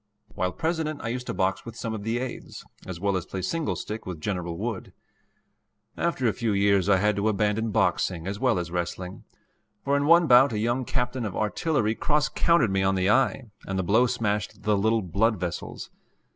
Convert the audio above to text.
While President I used to box with some of the aides, as well as play single stick with General Wood. After a few years I had to abandon boxing as well as wrestling, for in one bout a young captain of artillery cross countered me on the eye, and the blow smashed the little blood vessels.